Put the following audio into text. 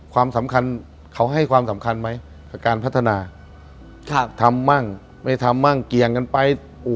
ความสำคัญเขาให้ความสำคัญไหมกับการพัฒนาทำมั่งไม่ทำมั่งเกี่ยงกันไป